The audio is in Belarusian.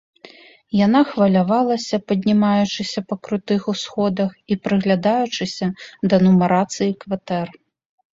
Яна хвалявалася, паднімаючыся па крутых усходах і прыглядаючыся да нумарацыі кватэр.